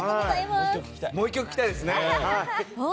もう１曲聴きたいですね。